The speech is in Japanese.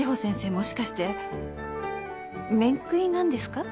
もしかして面食いなんですか？